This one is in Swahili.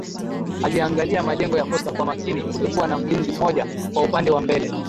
Aliyaangalia majengo ya posta kwa makini kulikuwa na mlinzi mmoja kwa upande wa mbele